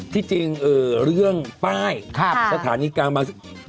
ที่จริงลืองป้ายสถานีกลางบังซื้อ